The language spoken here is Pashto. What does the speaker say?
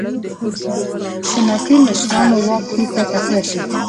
سنتي مشرانو واک بېرته تقویه شو.